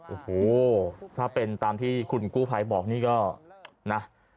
โอ้โหถ้าเป็นตามที่คุณกู้ภัยบอกนี่ก็นะ